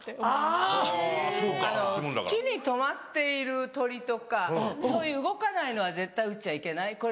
あの木に止まっている鳥とかそういう動かないのは絶対撃っちゃいけない。